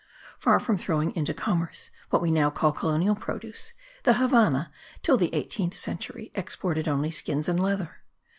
Far from throwing into commerce what we now call colonial produce, the Havannah, till the eighteenth century, exported only skins and leather.